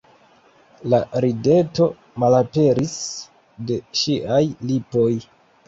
La rideto malaperis de ŝiaj lipoj.